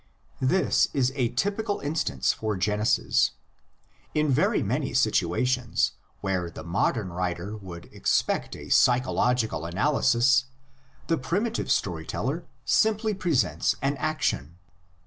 This is a typical instance for Genesis. In very many situations where the modern writer would expect a psychological analysis, the primitive story teller simply presents an action.